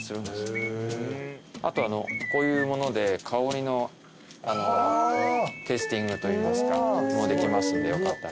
あとこういうもので香りのテイスティングといいますかできますんでよかったら。